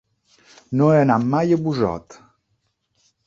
No he anat mai a Busot.